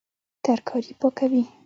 ترکاري پاکوي